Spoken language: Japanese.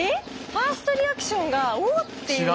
ファーストリアクションが「おっ！」っていう。